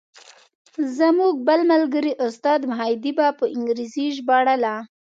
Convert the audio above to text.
زموږ بل ملګري استاد مهدي به په انګریزي ژباړله.